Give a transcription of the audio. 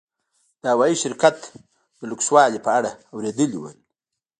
د هوايي شرکت د لوکسوالي په اړه اورېدلي ول.